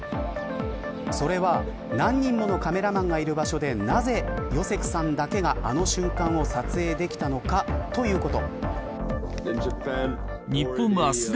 それは何人ものカメラマンがいる場所でなぜヨセクさんだけがあの瞬間を撮影できたのかということ。